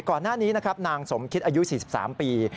ก่อนหน้านี้นะครับนางสมคิดอายุ๔๓ปี